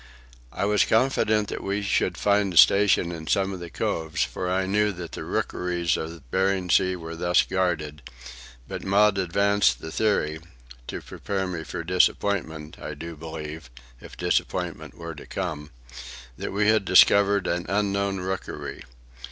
I was confident that we should find a station in some one of the coves, for I knew that the rookeries of Bering Sea were thus guarded; but Maud advanced the theory—to prepare me for disappointment, I do believe, if disappointment were to come—that we had discovered an unknown rookery.